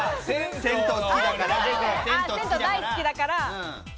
銭湯好きだから。